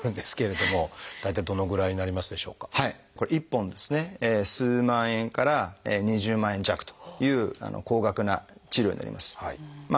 １本ですね数万円から２０万円弱という高額な治療になります。